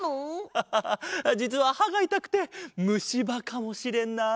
アハハじつははがいたくてむしばかもしれない。